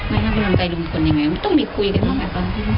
ไม่ต้องกำลังใจรุงพลยังไงไม่ต้องมีคุยกันบ้างกัน